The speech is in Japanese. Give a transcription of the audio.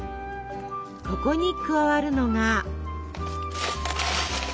ここに加わるのが。